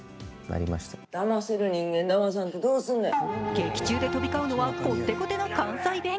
劇中で飛び交うのはコッテコテの関西弁。